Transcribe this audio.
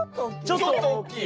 ちょっとおっきい。